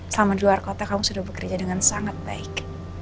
selama di luar kota kamu sudah bekerja dengan sangat baik